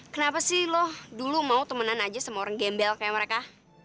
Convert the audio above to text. kenapa sih lo dulu mau temenan aja sama orang gembel kayak mereka